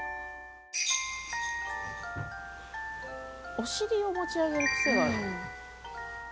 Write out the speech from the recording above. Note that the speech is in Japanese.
お尻を持ち上げる癖がある？